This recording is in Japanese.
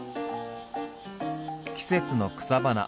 季節の草花。